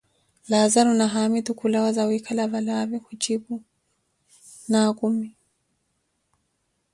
Laazaru na haamitu khulawa kwikalaza valaavi, khujipu: naakhumi.